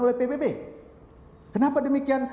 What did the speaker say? oleh pbb kenapa demikian